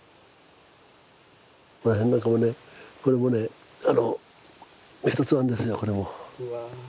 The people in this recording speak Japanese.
ここら辺なんかもねこれもね一つなんですよこれも。